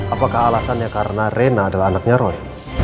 apakah alasannya karena rena adalah anaknya roy